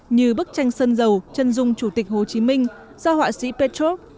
như bức tranh sân dầu chân dung chủ tịch hồ chí minh do họa sĩ petrov